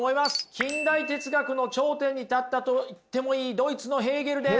近代哲学の頂点に立ったと言ってもいいドイツのヘーゲルです。